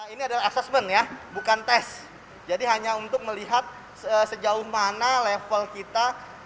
ini adalah assessment ya bukan tes jadi hanya untuk melihat sejauh mana level kita